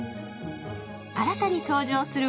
新たに登場する乙